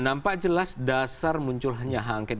nampak jelas dasar muncul hanya angket